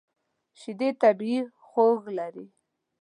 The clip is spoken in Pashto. شیدې طبیعي خوږ لري.